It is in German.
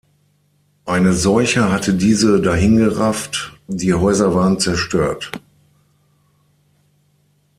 Eine Seuche hatte diese dahingerafft, die Häuser waren zerstört.